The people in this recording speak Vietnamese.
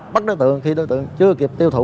bắt đối tượng khi đối tượng chưa kịp tiêu thụ